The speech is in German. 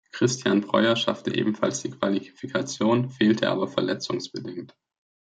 Christian Breuer schaffte ebenfalls die Qualifikation, fehlte aber verletzungsbedingt.